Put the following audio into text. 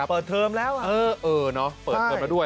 เออเนาะเปิดเพิ่มแล้วด้วย